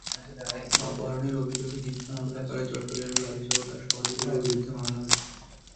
অপহরণের অভিযোগে মিথ্যা মামলা করায় চট্টগ্রামে বাদীসহ তাঁর সহযোগীদের বিরুদ্ধে মামলা হয়েছে।